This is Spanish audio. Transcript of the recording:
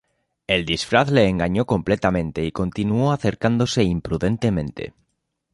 El disfraz le engañó completamente y continuó acercándose imprudentemente.